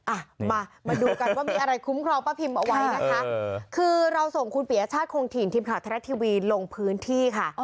อ่ะมามาดูกันว่ามีอะไรคุ้มครองป้าพิมเอาไว้นะคะคือเราส่งคุณปียชาติคงถิ่นทีมข่าวไทยรัฐทีวีลงพื้นที่ค่ะ